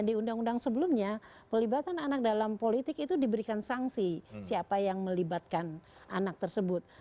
di undang undang sebelumnya pelibatan anak dalam politik itu diberikan sanksi siapa yang melibatkan anak tersebut